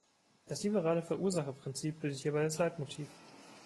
Das liberale Verursacherprinzip bildet hierbei das Leitmotiv.